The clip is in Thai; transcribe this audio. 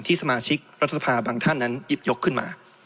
สมาชิกรัฐสภาบางท่านนั้นหยิบยกขึ้นมา